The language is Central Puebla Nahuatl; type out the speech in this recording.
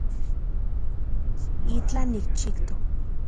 Itlaj nikchijtok